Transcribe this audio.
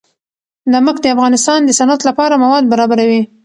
نمک د افغانستان د صنعت لپاره مواد برابروي.